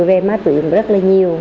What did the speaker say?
về má tự dùng rất là nhiều